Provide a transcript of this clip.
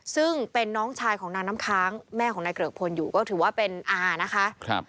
ซึ่งเป็นน้องชายของนางน้ำค้างแม่ของนายเกริกพลอยู่ก็ถือว่าเป็นอานะคะ